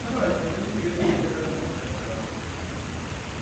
Más de la mitad de nuestros clientes son mujeres.